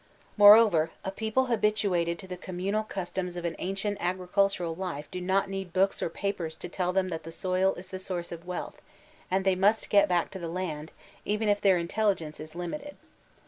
Moreover, a people habituated to the communal cus* toros of an ancient agricultural life do not need books or papers to tell them that the soil is the source of wealth, and they must "get back to the land/' even if their intel ligence is limited.